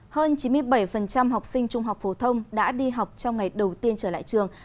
hơn chín mươi bảy học sinh trung học phổ thông đã đi học trong ngày đầu tiên trở lại trường